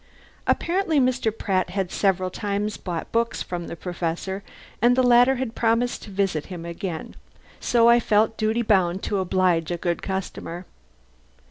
Apparently Mr. Pratt had several times bought books from the Professor and the latter had promised to visit him again. So I felt in duty bound to oblige a good customer.